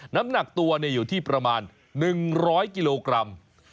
น้ำหนักตัวอยู่ที่ประมาณ๑๐๐กิโลกรัม